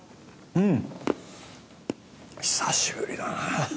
うん。